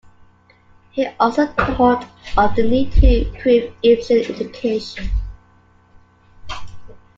He also talked of the need to improve Egyptian education.